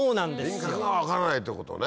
輪郭が分からないってことね？